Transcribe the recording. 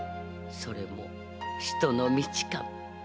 それも人の道かも。